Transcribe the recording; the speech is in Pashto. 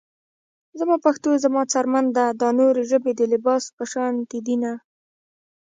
زما پښتو زما څرمن ده - دا نورې ژبې د لباس په شاندې دينه